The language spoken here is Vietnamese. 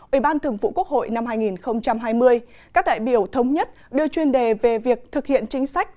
ủy ban thường vụ quốc hội năm hai nghìn hai mươi các đại biểu thống nhất đưa chuyên đề về việc thực hiện chính sách